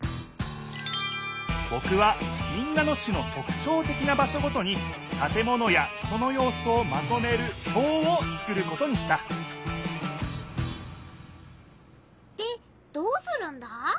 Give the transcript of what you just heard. ぼくは民奈野市のとくちょうてきな場所ごとにたて物や人のようすをまとめるひょうを作ることにしたでどうするんだ？